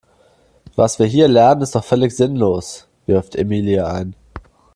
Was wir hier lernen ist doch völlig sinnlos, wirft Emilia ein.